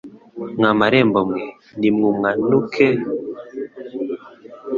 Mwa marembo mwe, nimwunamuke,